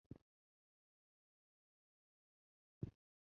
清代琴人。